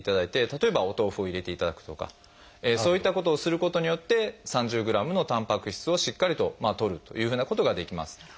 例えばお豆腐を入れていただくとかそういったことをすることによって３０ｇのたんぱく質をしっかりととるというふうなことができます。